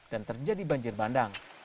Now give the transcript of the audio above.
dan terjadi banjir bandang